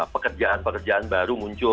pekerjaan pekerjaan baru muncul